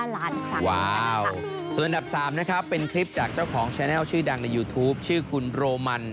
ล้านฝั่งว้าวส่วนดับสามนะครับเป็นคลิปจากเจ้าของแชนแนลชื่อดังในยูทูปชื่อคุณโรมัน